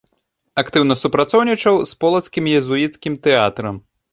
Актыўна супрацоўнічаў з полацкім езуіцкім тэатрам.